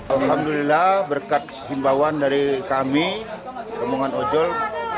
alhamdulillah berkat himbauan dari kami rombongan ojol